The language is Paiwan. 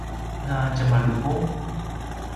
na tjemalupung?